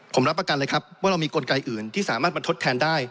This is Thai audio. ผมรับประกันเลยครับว่าเรามีกลไกอื่นที่สามารถมาทดแทนได้